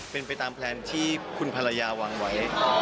เป็นไปตามแพลนที่คุณภรรยาวางไว้